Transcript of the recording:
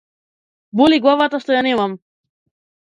Боли главата што ја немам.